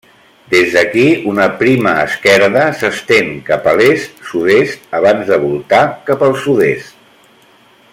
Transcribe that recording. Des d'aquí una prima esquerda s'estén cap a l'est-sud-est abans de voltar cap al sud-est.